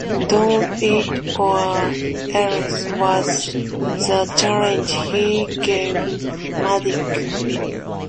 "Do it, or else" was the challenge he gave Maddux.